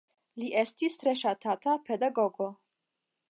Li estis tre ŝatata pedagogo.